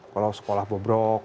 kalau sekolah bobrok